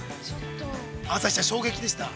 ◆朝日ちゃん、衝撃でした？